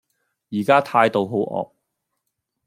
而家態度好惡